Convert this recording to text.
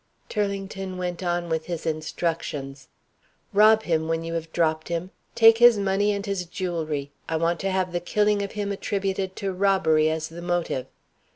Turlington went on with his instructions. "Rob him when you have dropped him. Take his money and his jewelry. I want to have the killing of him attributed to robbery as the motive.